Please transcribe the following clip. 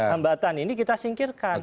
hembatan ini kita singkirkan